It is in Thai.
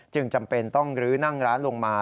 จำเป็นต้องลื้อนั่งร้านลงมา